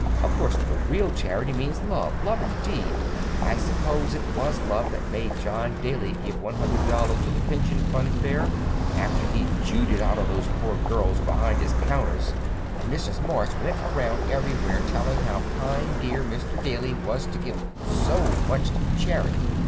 Of course, the real charity means love. Love, indeed! I suppose it was love that made John Daly give one hundred dollars to the Pension Fund Fair—after he'd jewed it out of those poor girls behind his counters! And Mrs. Morse went around everywhere telling how kind dear Mr. Daly was to give so much to charity!